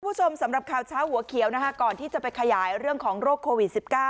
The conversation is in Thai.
สำหรับข่าวเช้าหัวเขียวนะคะก่อนที่จะไปขยายเรื่องของโรคโควิด๑๙